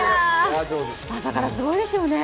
朝からすごいですよね。